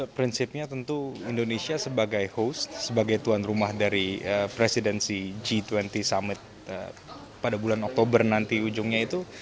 prinsipnya tentu indonesia sebagai host sebagai tuan rumah dari presidensi g dua puluh summit pada bulan oktober nanti ujungnya itu